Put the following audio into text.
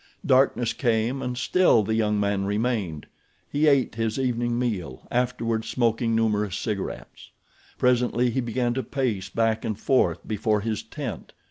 Darkness came and still the young man remained. He ate his evening meal, afterward smoking numerous cigarettes. Presently he began to pace back and forth before his tent.